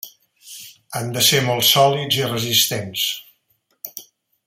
Han de ser molt sòlids i resistents.